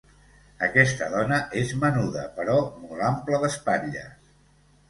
Aquesta dona és menuda però molt ampla d'espatlles.